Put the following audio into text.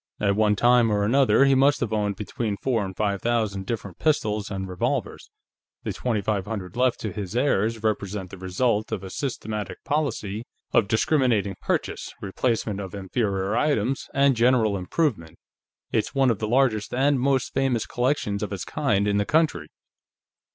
At one time or another, he must have owned between four and five thousand different pistols and revolvers. The twenty five hundred left to his heirs represent the result of a systematic policy of discriminating purchase, replacement of inferior items, and general improvement. It's one of the largest and most famous collections of its kind in the country."